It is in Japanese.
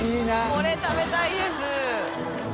これ食べたいです。